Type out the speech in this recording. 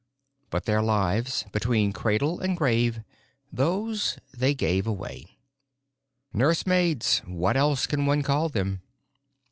But their lives between cradle and grave, those they gave away. Nursemaids? What else can one call them?